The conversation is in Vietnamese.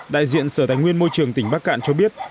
đại diện sở tài nguyên môi trường tỉnh bắc cạn cho biết